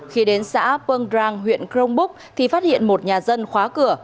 khi đến xã pongdrang huyện cronbúc thì phát hiện một nhà dân khóa cửa